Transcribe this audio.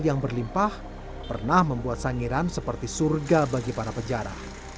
yang berlimpah pernah membuat sangiran seperti surga bagi para penjara